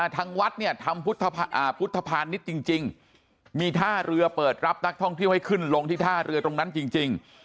ทางวัดเนี่ยทำพุทธภานิษฐ์จริงมีท่าเรือเปิดรับนักท่องเที่ยวให้ขึ้นลงที่ท่าเรือตรงนั้นจริง